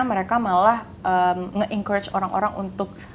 mereka malah nge encourage orang orang untuk